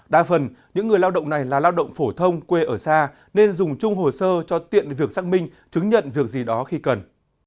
đa phần những người lao động này là lao động phổ thông quê ở xa nên dùng chung hồ sơ cho tiện việc xác minh chứng nhận việc gì đó khi cần